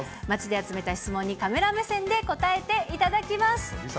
街で集めた質問に、カメラ目線で答えていただきます。